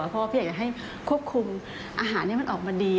เพราะว่าพี่อยากจะให้ควบคุมอาหารให้มันออกมาดี